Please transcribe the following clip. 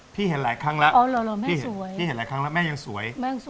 พี่เห็นหลายครั้งแล้วแม่ยังสวย